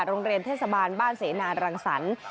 โรงเรียนเทศบาลบ้านเสนารังสรรค์